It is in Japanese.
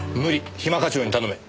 暇課長に頼め。